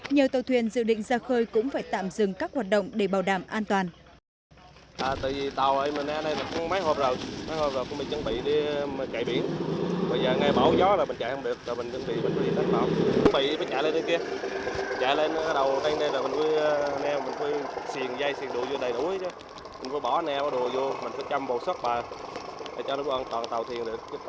nhiều tàu thuyền dự định ra khơi cũng phải tạm dừng các hoạt động để bảo đảm an toàn